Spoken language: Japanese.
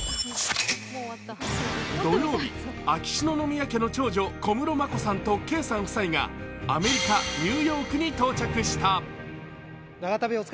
土曜日、秋篠宮家の長女・小室眞子さんと圭さん夫妻がアメリカ・ニューヨークに到着した。